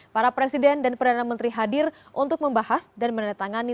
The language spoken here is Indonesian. para presiden dan perdana menteri hadir untuk membahas dan menandatangani